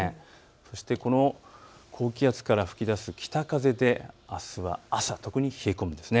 そしてこの高気圧から吹き出す北風で、あすは朝特に冷え込むんです。